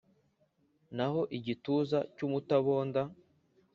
naho igituza cy’umutabonda